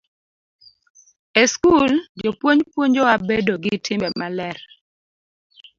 E skul, jopuonj puonjowa bedo gi timbe maler.